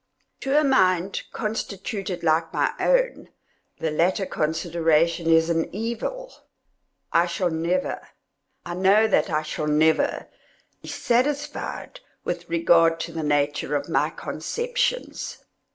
To a mind constituted like my own, the latter consideration is an evil. I shall never—I know that I shall never—be satisfied with regard to the nature of my conceptions.